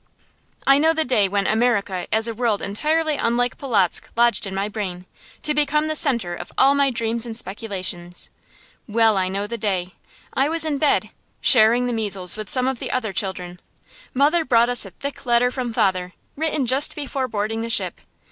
I know the day when "America" as a world entirely unlike Polotzk lodged in my brain, to become the centre of all my dreams and speculations. Well I know the day. I was in bed, sharing the measles with some of the other children. Mother brought us a thick letter from father, written just before boarding the ship.